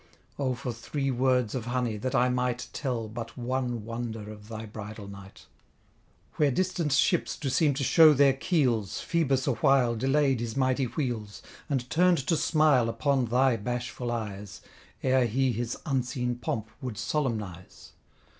O for three words of honey, that I might Tell but one wonder of thy bridal night! Where distant ships do seem to show their keels, Phoebus awhile delayed his mighty wheels, And turned to smile upon thy bashful eyes, Ere he his unseen pomp would solemnize.